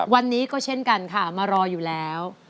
วันนี้ก็เช่นกันค่ะมารออยู่แล้ว